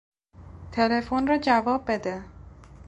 تلفن را جواب بده!